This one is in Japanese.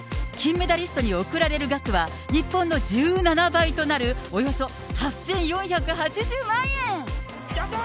金メダリストに贈られる額は、日本の１７倍となるおよそ８４８０万円。